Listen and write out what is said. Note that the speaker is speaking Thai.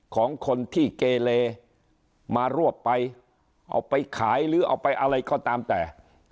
ของคนที่เกเลมารวบไปเอาไปขายหรือเอาไปอะไรก็ตามแต่